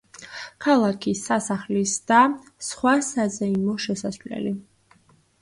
ქალაქის, სასახლის და და სხვა საზეიმო შესასვლელი.